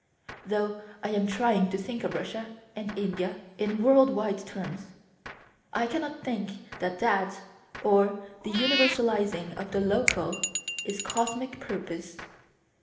Though I am trying to think of Russia and India in world wide terms, I cannot think that that, or the universalizing of the local, is cosmic purpose.